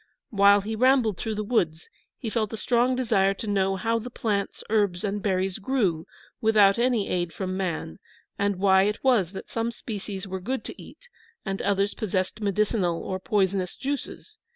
While he rambled through the woods, he felt a strong desire to know how the plants, herbs, and berries grew without any aid from man, and why it was that some species were good to eat and others possessed medicinal or poisonous juices.